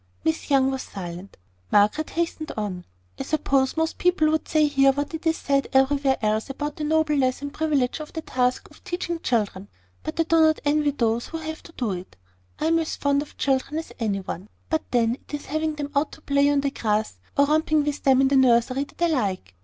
Miss Young was silent. Margaret hastened on "I suppose most people would say here what is said everywhere else about the nobleness and privilege of the task of teaching children. But I do not envy those who have it to do. I am as fond of children as any one; but then it is having them out to play on the grass, or romping with them in the nursery, that I like.